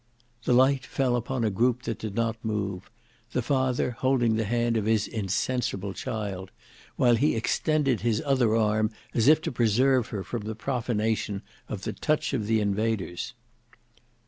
The light fell upon a group that did not move: the father holding the hand of his insensible child, while he extended his other arm as if to preserve her from the profanation of the touch of the invaders.